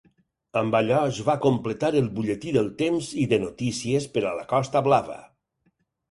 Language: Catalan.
Amb allò es va completar el butlletí del temps i de notícies per a la Costa Blava.